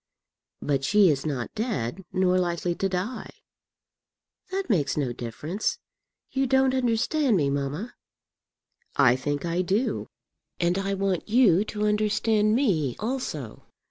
"But she is not dead, nor likely to die." "That makes no difference. You don't understand me, mamma." "I think I do, and I want you to understand me also.